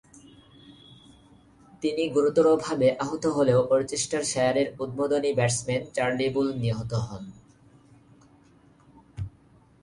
তিনি গুরুতরভাবে আহত হলেও ওরচেস্টারশায়ারের উদ্বোধনী ব্যাটসম্যান চার্লি বুল নিহত হন।